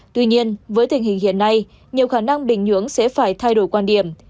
tuy nhiên với tình hình hiện nay nhiều khả năng bình nhưỡng sẽ phải thay đổi quan điểm